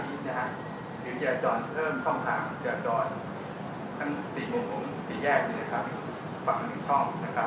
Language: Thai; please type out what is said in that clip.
เฉพานายกมีเงวำที่จะจอดเพิ่มท่องหาทางเกี่ยวจอดทั้ง๔มุมและ๔แยกมาปักมันในช่องนะครับ